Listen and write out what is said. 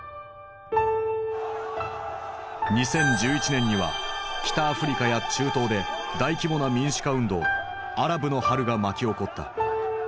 ２０１１年には北アフリカや中東で大規模な民主化運動「アラブの春」が巻き起こった。